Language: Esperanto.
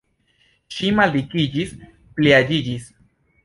Ŝi maldikiĝis, pliaĝiĝis.